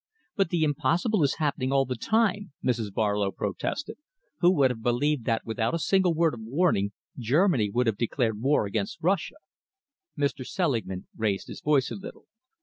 "But the impossible is happening all the time," Mrs. Barlow protested. "Who would have believed that without a single word of warning Germany would have declared war against Russia?" Mr. Selingman raised his voice a little.